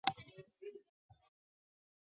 宗教和伪科学是不可证伪的。